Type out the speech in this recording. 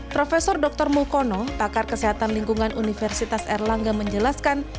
prof dr mukono pakar kesehatan lingkungan universitas erlangga menjelaskan